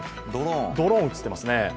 ドローンが映っていますね。